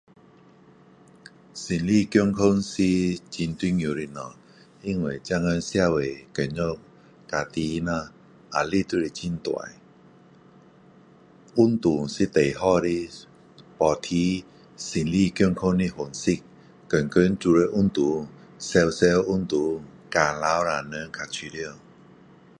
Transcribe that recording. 心理健康是很重要的物。因为现在社会，工作，家庭咯，压力都是很大，运动是最好的保持身体健康的方式。天天都要运动。常常运动，汗流了人较舒服。